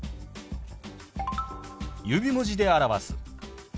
指文字で表す。